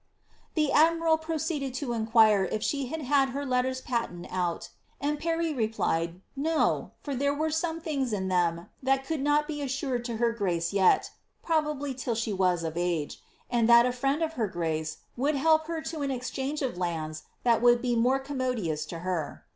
The admiral proceeded to inquire if she had had her letters patent out } and Parry replied, ^^ No ; for there were some things in them that could not be assured to her grace yet, (probably till she was of age,) and tluit a friend of her grace would help her to an exchange of lands tiiat would be more commodious to her."